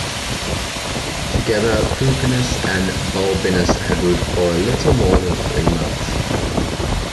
Together Pupienus and Balbinus had ruled for a little more than three months.